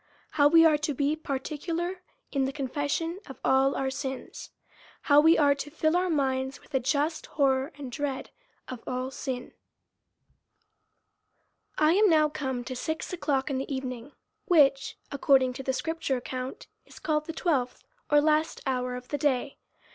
How we are to he particular in the Confession of all our Sins. How we are to Jill our minds with a just horror and dread of all Sin. I AM now come to six o'clock in the evening, which, according to the scripture account, is called the twelfth, or last hour of the day.